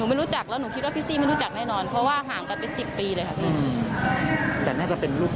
อาจจะมีคนก็พูดไม่ได้อยู่ดี